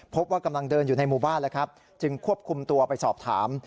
พบว่ากำลังเดินอยู่ในหมู่บ้านแล้วครับจึงควบคุมตัวไปสอบถาม